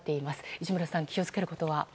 市村さん、気を付けることは？